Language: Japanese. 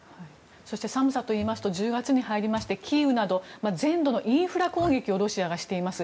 そして寒さといいますと１０月に入りましてキーウなど全土のインフラ攻撃をロシアがしています。